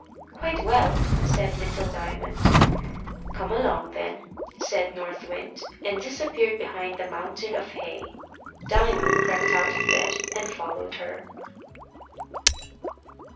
"Quite well," said little Diamond. "Come along, then," said North Wind, and disappeared behind the mountain of hay. Diamond crept out of bed and followed her.